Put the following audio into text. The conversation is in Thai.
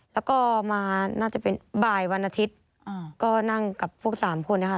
แล้วก็มาน่าจะเป็นบ่ายวันอาทิตย์ก็นั่งกับพวกสามคนนะคะ